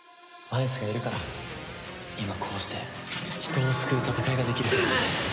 バイスがいるから今こうして人を救う戦いができる。